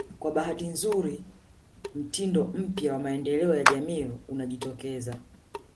Kwa bahati nzuri mtindo mpya wa maendeleo ya mijini unajitokeza